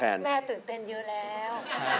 หมายความว่าแม่ตื่นเต้นเยอะแล้ว